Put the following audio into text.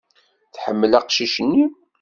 Tḥemmel aqcic-nni.